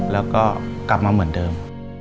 แล้วก็กลับมาเหมือนเดิม